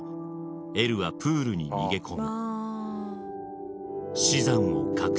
「エルはプールに逃げ込む」